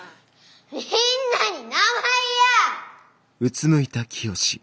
みんなに名前言やぁ。